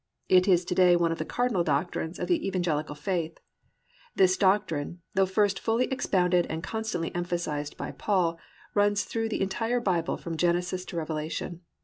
It is to day one of the cardinal doctrines of the Evangelical Faith. This doctrine, though first fully expounded and constantly emphasised by Paul, runs throughout the entire Bible from Genesis to Revelation.